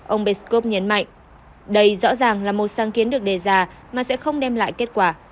ông peskov nhấn mạnh đây rõ ràng là một sáng kiến được đề ra mà sẽ không đem lại kết quả